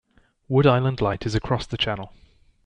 Wood Island Light is across the channel.